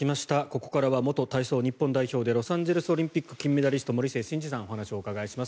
ここからは元体操日本代表でロサンゼルスオリンピック金メダリスト森末慎二さんにお話をお伺いします。